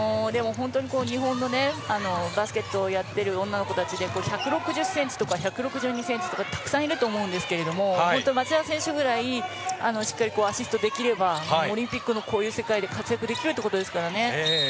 本当に日本のバスケットをやっている女の子たちで１６０ｃｍとか１６２ｃｍとかたくさんいると思うんですけど町田選手ぐらいしっかりアシストできればオリンピックのこういう世界で活躍できるということですからね。